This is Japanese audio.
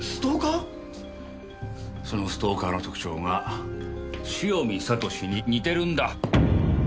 そのストーカーの特徴が汐見悟志に似てるんだ。